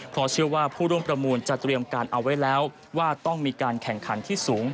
เพราะเชื่อว่าผู้ร่วมประมูลจะเตรียมการเอาไว้แล้วว่าต้องมีการแข่งขันที่สูง